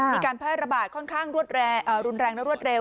มีการพระราบาทค่อนข้างหลวดแรงรุนแรงและหลวดเร็ว